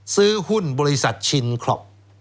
ซื้อหุ้นบริษัทชินคล็อป